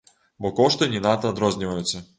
Бо кошты не надта адрозніваюцца.